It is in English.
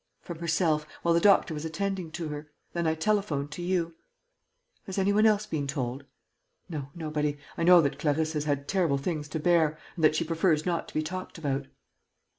"From herself, while the doctor was attending to her. Then I telephoned to you." "Has any one else been told?" "No, nobody. I know that Clarisse has had terrible things to bear ... and that she prefers not to be talked about."